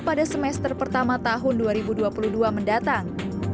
pada semester pertama tahun dua ribu dua puluh dua mendatang